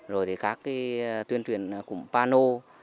rồi thì các tuyên truyền cụm pano